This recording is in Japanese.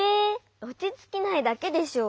おちつきないだけでしょ。